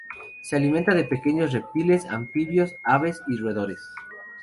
Se alimenta de pequeños reptiles, anfibios, aves y roedores.